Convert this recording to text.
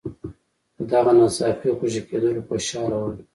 په دغه ناڅاپي خوشي کېدلو خوشاله ول.